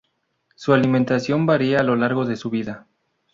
Su alimentación varia a lo largo de su vida.